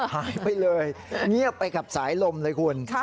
หายไปเลยเงียบไปกับสายลมเลยคุณ